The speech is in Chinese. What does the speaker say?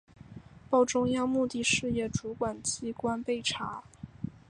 报中央目的事业主管机关备查